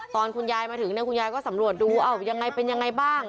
ตอนคุณยายมาถึงเนี่ยคุณยายก็สำรวจดูเอายังไงเป็นยังไงบ้าง